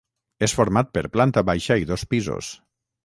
És format per planta baixa i dos pisos.